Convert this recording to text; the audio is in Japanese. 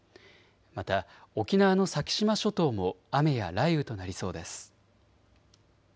また沖縄の先島諸島も雨や雷雨となりそうです。